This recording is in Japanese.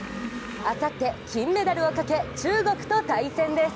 あさって、金メダルをかけ、中国と対戦です。